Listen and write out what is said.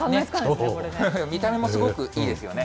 見た目もすごくいいですよね。